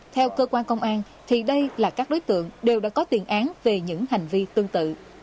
theo cơ quan công an thì đây là các đối tượng đều đã có tiền án về những hành vi tương tự